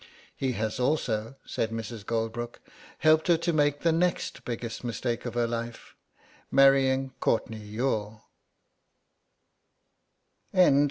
"He has also," said Mrs. Goldbrook, "helped her to make the next biggest mistake of her life—marrying Courtenay Youghal."